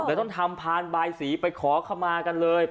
ต้องทำพานบายสีไปขอขมากันเลย